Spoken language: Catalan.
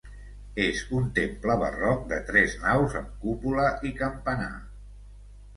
És un temple barroc de tres naus amb cúpula i campanar.